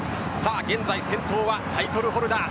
現在、先頭はタイトルホルダー。